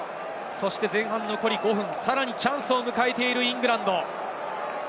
前半残り５分、さらにチャンスを迎えているイングランド。